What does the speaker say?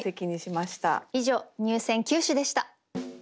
以上入選九首でした。